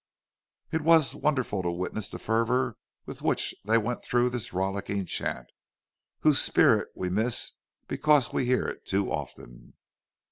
It was wonderful to witness the fervour with which they went through this rollicking chant—whose spirit we miss because we hear it too often.